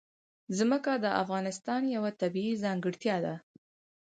ځمکه د افغانستان یوه طبیعي ځانګړتیا ده.